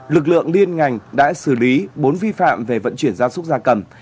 lực lượng liên ngành đã xử lý bốn vi phạm về vận chuyển da súc da cầm